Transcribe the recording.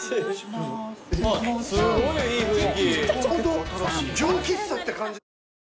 あっすごいいい雰囲気。